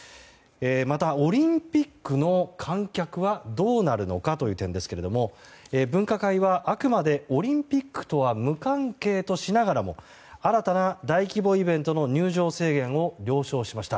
また、オリンピックの観客はどうなるのかという点ですけれども分科会はあくまでオリンピックとは無関係としながらも新たな大規模イベントの入場制限を了承しました。